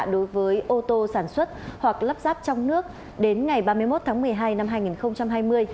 đối với ô tô sản xuất hoặc lắp ráp trong nước đến ngày ba mươi một tháng một mươi hai năm hai nghìn hai mươi